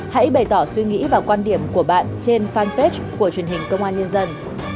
hãy bày tỏ suy nghĩ và quan điểm của bạn trên fanpage của truyền hình công an nhân dân